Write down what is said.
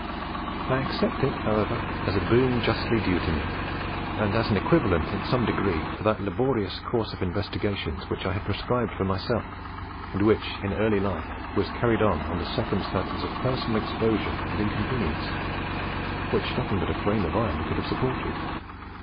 I accept it, however, as a boon justly due to me, and as an equivalent in some degree for that laborious course of investigation which I had prescribed for myself, and which, in early life, was carried on under circumstances of personal exposure and inconvenience, which nothing but a frame of iron could have supported.